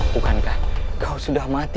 bukankah kau sudah mati